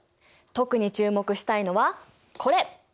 特に注目したいのはこれ。